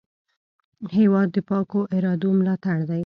هېواد د پاکو ارادو ملاتړ دی.